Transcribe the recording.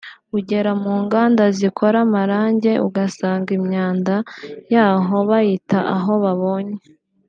ugera mu nganda zikora amarangi ugasanga imyanda yaho bayita aho babonye